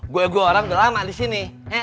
gue gue orang udah lama di sini